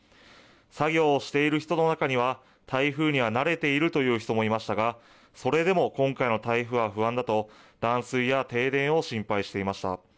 作業をしている人の中には、台風には慣れているという人もいましたが、それでも今回の台風は不安だと、断水や停電を心配していました。